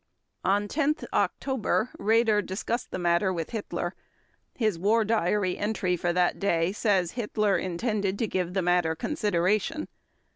On 10 October Raeder discussed the matter with Hitler; his War Diary entry for that day says Hitler intended to give the matter consideration.